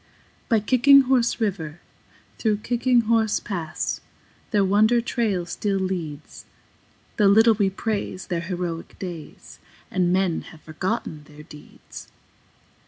By Kicking Horse River, through Kicking Horse Pass, Their wonder trail still leads, Though little we praise their heroic days And men have forgotten their deeds.